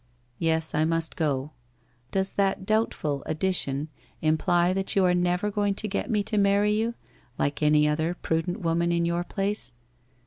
' Yes, I must go. Does that doubtful addition imply that you are never going to get me to marry you, like any other prudent woman in your place